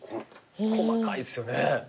細かいですよね。